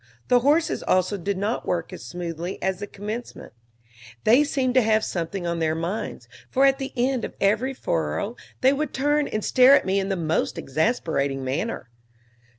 The horses also did not work as smoothly as at the commencement: they seemed to have something on their minds, for at the end of every furrow they would turn and stare at me in the most exasperating manner.